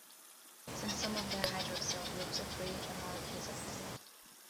Since some of their hydroxyl groups are free their molecules are polar.